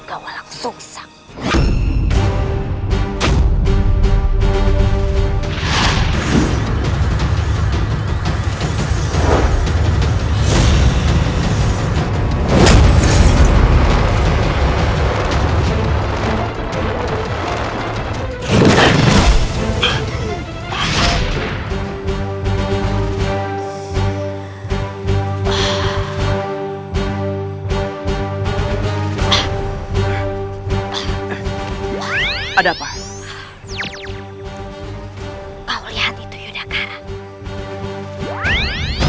kulihkan tenagamu dulu